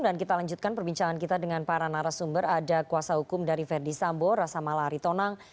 dan kita lanjutkan perbincangan kita dengan para narasumber ada kuasa hukum dari verdi sambo rasa malari tonang